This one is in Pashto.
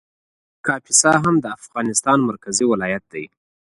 کاپیسا هم د افغانستان مرکزي ولایت دی